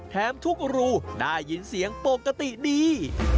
แถมทุกรูได้ยินเสียงปกติดี